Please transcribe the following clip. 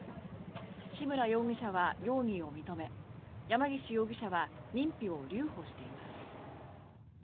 志村容疑者は容疑を認め山岸容疑者は認否を留保しています。